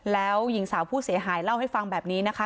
แล้วหญิงสาวผู้เสียหายเล่าให้ฟังแบบนี้นะคะ